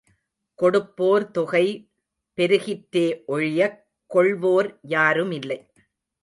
கொடுப்போர் தொகை பெருகிற்றே ஒழியக் கொள்வோர் யாருமில்லை.